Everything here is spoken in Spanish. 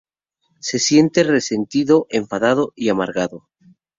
Se siente resentido, enfadado y amargado.